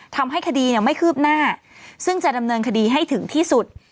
ทำให้คดีไม่คืบหน้าซึ่งจะดำเนินคดีให้ถึงที่สุด